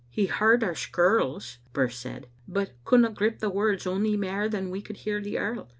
"He heard our skirls," Birse said, "but couldna grip the words ony mair than we could hear the earl.